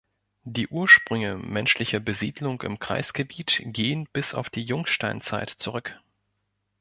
Die Ursprünge menschlicher Besiedlung im Kreisgebiet gehen bis auf die Jungsteinzeit zurück.